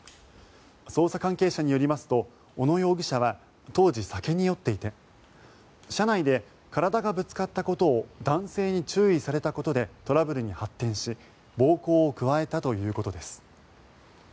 捜査関係者によりますと小野容疑者は当時、酒に酔っていて車内で体がぶつかったことを男性に注意されたことでトラブルに発展し暴行を加えたということです。